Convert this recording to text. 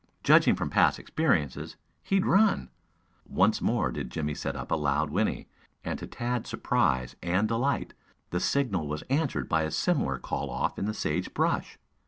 Judging from past experiences, he'd run." Once more did Jimmie set up a loud whinny, and to Tad's surprise and delight, the signal was answered by a similar call off in the sage brush.